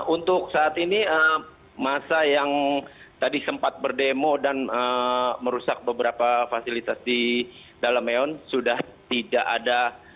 untuk saat ini masa yang tadi sempat berdemo dan merusak beberapa fasilitas di dalam meon sudah tidak ada